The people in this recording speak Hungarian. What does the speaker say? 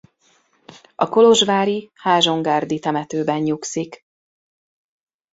A kolozsvári Házsongárdi temetőben nyugszik.